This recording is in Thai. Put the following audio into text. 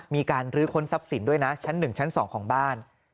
มีการลื้อค้นทรัพย์สินด้วยนะชั้น๑ชั้น๒ของบ้าน